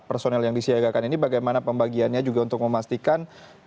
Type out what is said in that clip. personel yang disiagakan ini bagaimana pembagiannya juga untuk memastikan